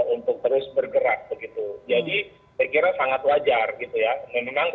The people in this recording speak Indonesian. untuk terus bergerak begitu jadi saya kira sangat wajar gitu ya